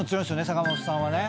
坂本さんはね。